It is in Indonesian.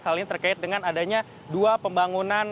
hal ini terkait dengan adanya dua pembangunan